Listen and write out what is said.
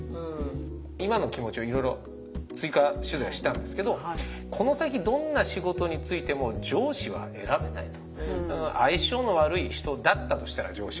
今の気持ちをいろいろ追加取材したんですけどこの先どんな仕事に就いても不安だと。